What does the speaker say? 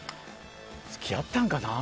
付き合ったんかな？